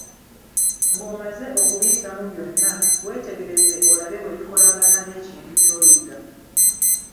Ng'omaze okubiyitamu byonna, weetegereze olabe bwe bikolagana n'ekintu ky'oyiga.